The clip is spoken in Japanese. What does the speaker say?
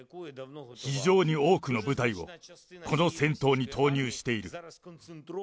非常に多くの部隊を、この戦闘に投入している。